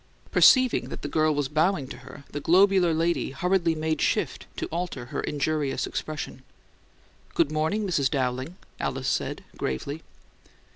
Perceiving that the girl was bowing to her, the globular lady hurriedly made shift to alter her injurious expression. "Good morning, Mrs. Dowling," Alice said, gravely.